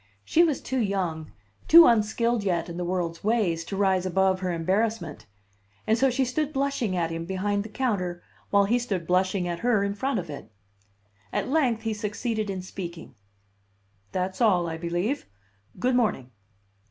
She was too young, too unskilled yet in the world's ways, to rise above her embarrassment; and so she stood blushing at him behind the counter, while he stood blushing at her in front of it. At length he succeeded in speaking. "That's all, I believe. Good morning."